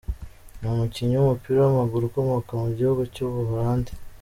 Ni umukinnyi wumupira wamaguru ukomoka mu gihugu cyu Buholandi.